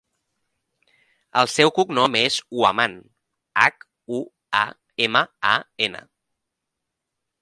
El seu cognom és Huaman: hac, u, a, ema, a, ena.